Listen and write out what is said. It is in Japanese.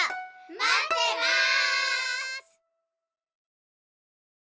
まってます！